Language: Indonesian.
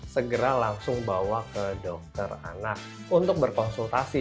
segera langsung bawa ke dokter anak untuk berkonsultasi